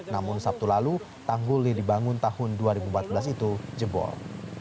namun sabtu lalu tanggul yang dibangun tahun dua ribu empat belas itu jebol